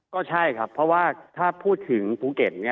ก็ใช่ครับเพราะว่าถ้าพูดถึงภูเก็ต